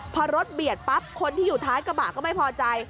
พอรถเบียดปั๊บคนที่อยู่ท้ายกระบะก็ไม่พอใจ